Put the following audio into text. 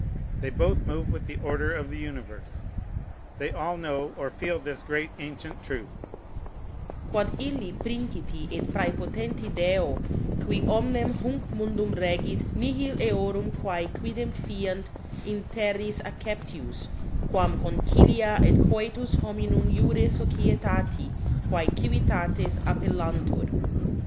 They both move with the order of the universe. They all know or feel this great ancient truth: "_Quod illi principi et præpotenti Deo qui omnem hunc mundum regit nihil eorum quæ quidem fiant in terris acceptius quam concilia et coetus hominum jure sociati quæ civitates appellantur_."